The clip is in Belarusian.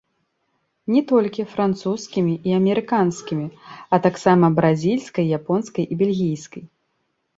Не толькі французскімі і амерыканскімі, а таксама бразільскай, японскай і бельгійскай.